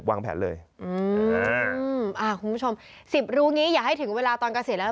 ว่าเดี๋ยวชื่นแล้ว